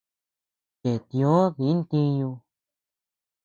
Cheʼtiö di ntiñu.